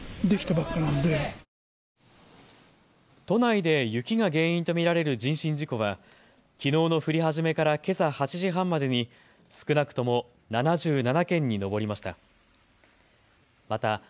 都内で雪が原因と見られる人身事故はきのうの降り始めからけさ８時半までに少なくとも７７件に上りました。